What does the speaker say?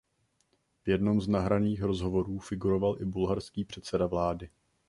V jednom z nahraných rozhovorů figuroval i bulharský předseda vlády.